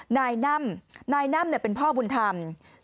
นายน่ำนายน่ำเป็นพ่อบุญธรรม